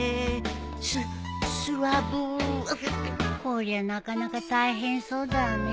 こりゃなかなか大変そうだね。